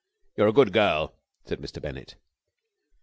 "You're a good girl," said Mr. Bennett.